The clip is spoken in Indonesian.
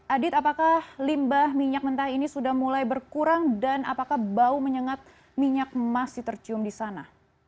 adit apakah limbah minyak mentah ini sudah mulai berkurang dan apakah bau menyengat minyak masih tercium di sana